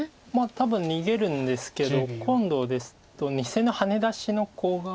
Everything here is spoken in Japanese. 多分逃げるんですけど今度ですと２線のハネ出しのコウが。